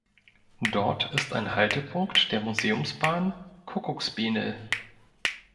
Dort ist ein Haltepunkt der Museumsbahn Kuckucksbähnel.